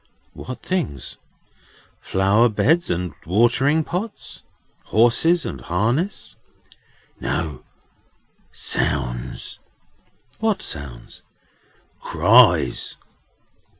"What things? Flower beds and watering pots? horses and harness?" "No. Sounds." "What sounds?" "Cries."